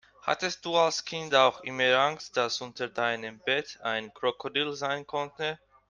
Hattest du als Kind auch immer Angst, dass unter deinem Bett ein Krokodil sein könnte?